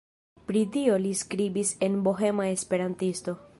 Pri tio li skribis en "Bohema Esperantisto".